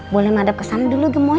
boleh menghadap ke sana dulu gemoy